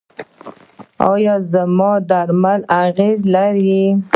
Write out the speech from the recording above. آیا زموږ درمل اغیز لري؟